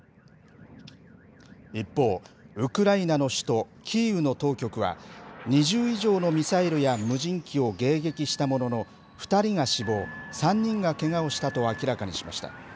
一方、ウクライナの首都キーウの当局は、２０以上のミサイルや無人機を迎撃したものの、２人が死亡、３人がけがをしたと明らかにしました。